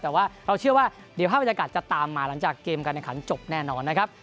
แต่ว่าเราเชื่อว่าเดี๋ยวภาพบรรยากาศจะตามมาหลังจากเกมการแข่งขันจบแน่นอนนะครับ